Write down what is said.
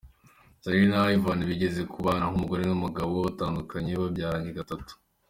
Zari na Ivan bigeze kubana ho nk’umugore n’umugabo, batandukanye babyaranye gatatu.